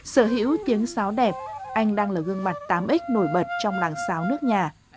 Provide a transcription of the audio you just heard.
sở hữu tiếng sáo đẹp anh đang là gương mặt tám x nổi bật trong làng xáo nước nhà